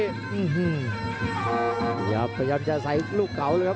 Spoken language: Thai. โอ้ยยยยพยายามจะใส่รูปเกาละครับ